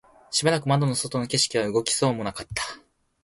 しばらく窓の外の景色は動きそうもなかった